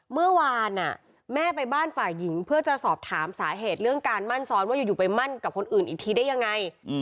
เมื่อวานแม่ไปบ้านฝ่ายหญิงเพื่อจะสอบถามสาเหตุเรื่องการมั่นซ้อนว่าอยู่ไปมั่นกับคนอื่นอีกทีได้ยังไง